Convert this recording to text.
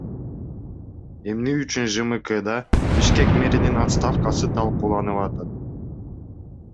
Эмне үчүн ЖМКда Бишкек мэринин отставкасы талкууланып атат?